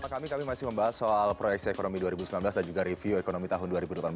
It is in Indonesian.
kami kami masih membahas soal proyeksi ekonomi dua ribu sembilan belas dan juga review ekonomi tahun dua ribu delapan belas